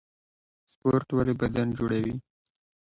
سپورټ ولې بدن جوړوي؟